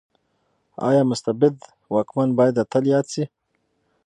ايا مستبد واکمن بايد اتل ياد شي؟